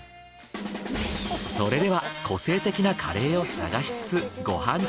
それでは個性的なカレーを探しつつご飯